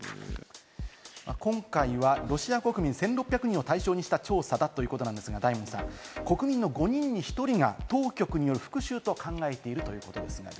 今回はロシア国民１６００人を対象にした調査だということなんですが、大門さん、国民の５人に１人が当局による復讐と考えているということですね。